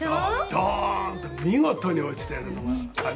ドーンと見事に落ちてるのがあれ？